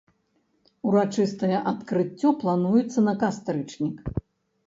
Урачыстае адкрыццё плануецца на кастрычнік.